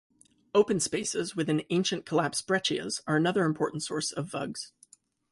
Open spaces within ancient collapse breccias are another important source of vugs.